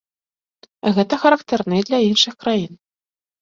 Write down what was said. Гэта характэрна і для іншых краін.